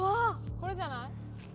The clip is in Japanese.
これじゃない？